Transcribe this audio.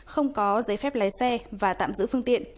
không có giấy phép lái xe và tạm giữ phương tiện